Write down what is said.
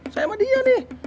saya mah dia nih